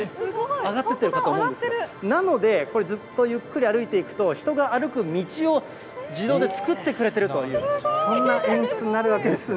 上がっていってるかと思うんですが、なので、これ、ずっとゆっくり歩いていくと、人が歩く道を自動で作ってくれてるという、そんな演出になるわけですね。